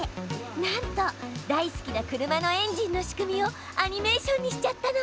なんと大好きな車のエンジンの仕組みをアニメーションにしちゃったの！